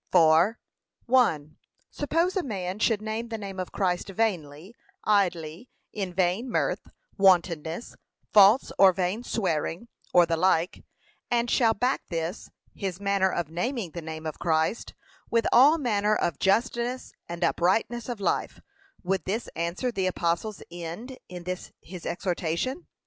For, 1. Suppose a man should name the name of Christ vainly, idly, in vain mirth, wantonness, false or vain swearing, or the like, and shall back this, his manner of naming the name of Christ, with all manner of justness and uprightness of life, would this answer the apostle's end in this his exhortation?